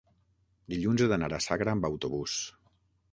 Dilluns he d'anar a Sagra amb autobús.